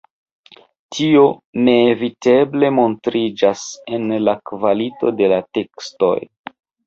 Tio neeviteble montriĝas en la kvalito de la tekstoj.